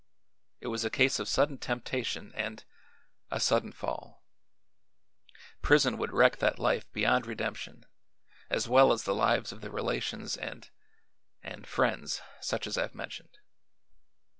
It was a case of sudden temptation and a sudden fall. Prison would wreck that life beyond redemption, as well as the lives of the relations and and friends, such as I've mentioned.